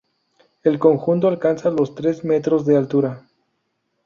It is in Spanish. El conjunto alcanza los tres metros de altura.